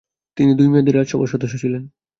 তিনি দুই মেয়াদে রাজ্যসভার সদস্য ছিলেন।